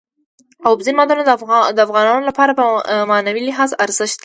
اوبزین معدنونه د افغانانو لپاره په معنوي لحاظ ارزښت لري.